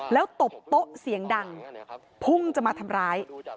แล้วตบโต๊ะเสียงดังพุ่งจะมาทำร้าย